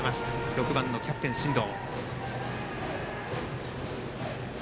６番のキャプテン、進藤。